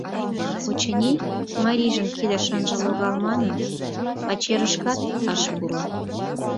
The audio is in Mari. Очыни, марийжын кидыш ынже логал манын, пачерышкат ыш пуро.